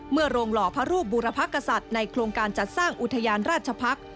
โรงหล่อพระรูปบูรพกษัตริย์ในโครงการจัดสร้างอุทยานราชพักษ์